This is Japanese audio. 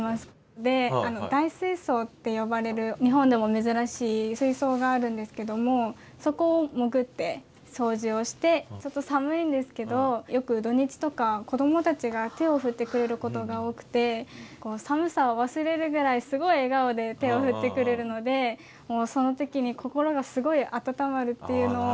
で大水槽って呼ばれる日本でも珍しい水槽があるんですけどもそこを潜って掃除をしてちょっと寒いんですけどよく土日とか子どもたちが手を振ってくれることが多くて寒さを忘れるぐらいすごい笑顔で手を振ってくれるのでその時に心がすごい温まるっていうのをちょっと思い出して。